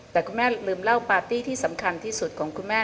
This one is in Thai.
แต่คุณแม่ลืมเล่าปาร์ตี้ที่สำคัญที่สุดของคุณแม่